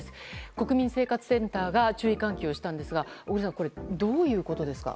国民生活センターが注意喚起をしたんですが小栗さんこれ、どういうことですか。